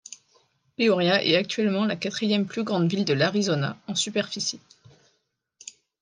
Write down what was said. Peoria est actuellement la quatrième plus grande ville de l'Arizona en superficie.